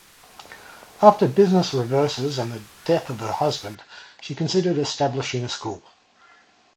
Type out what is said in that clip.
After business reverses and the death of her husband, she considered establishing a school.